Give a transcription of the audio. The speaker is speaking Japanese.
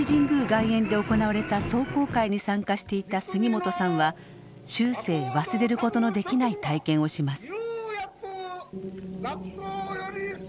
外苑で行われた壮行会に参加していた杉本さんは終生忘れる事のできない体験をします。